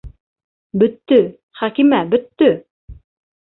Бөттө, Хәкимә, бөттө!